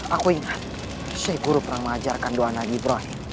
aku ingat sheikh guru pernah mengajarkan doa nabi ibrahim